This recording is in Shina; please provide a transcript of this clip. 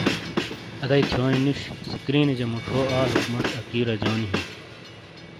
اَدائی تھیونی نُش، سکرینیجا مُچھو آلوک موش اکی رجونی ہِیں۔